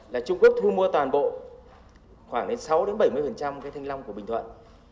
là trung quốc thu mua toàn bộ khoảng sáu bảy mươi cái thanh long của bình thuận